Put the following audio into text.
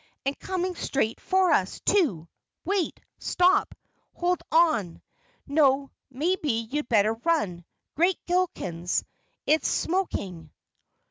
"And coming straight for us, too. Wait! Stop! Hold on! No, maybe you'd better run. Great Gillikens, it's smoking!"